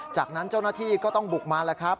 จากนั้นเจ้าหน้าที่ก็ต้องบุกมาแล้วครับ